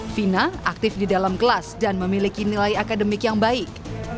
fina aktif di dalam kelas dan memiliki nilai akademik yang baik